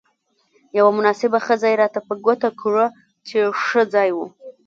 یوه مناسبه خزه يې راته په ګوته کړه، چې ښه ځای وو.